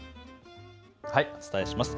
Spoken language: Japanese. お伝えします。